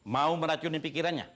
mau meracuni pikirannya